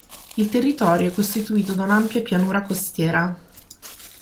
Il territorio è costituito da un'ampia pianura costiera.